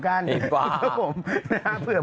ดำเนินคดีต่อไปนั่นเองครับ